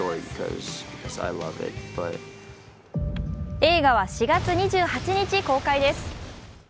映画は４月２８日公開です。